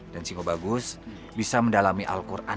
dan singo bagus bisa mendalami al quran